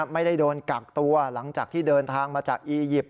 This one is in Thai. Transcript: ไม่ได้โดนกักตัวหลังจากที่เดินทางมาจากอียิปต์